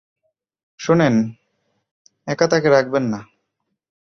শোনেন, একা তাকে রাখবেন না।